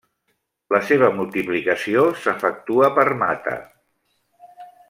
La seva multiplicació s'efectua per mata.